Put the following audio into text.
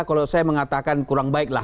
kalau saya mengatakan kurang baik lah